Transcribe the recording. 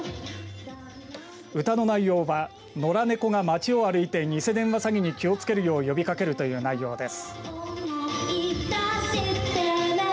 歌の内容はのら猫がまちを歩いてニセ電話詐欺に気をつけるよう呼びかけるという内容です。